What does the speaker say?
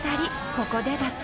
ここで］